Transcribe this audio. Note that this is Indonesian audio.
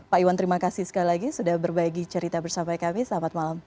pak iwan terima kasih sekali lagi sudah berbagi cerita bersama kami selamat malam